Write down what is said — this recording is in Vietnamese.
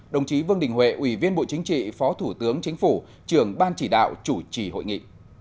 đồng chí vương đình huệ ủy viên bộ chính trị phó thủ tướng chính phủ trưởng ban chỉ đạo chủ trì hội nghị